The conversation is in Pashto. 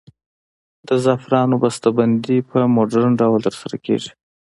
د زعفرانو بسته بندي په مډرن ډول ترسره کیږي.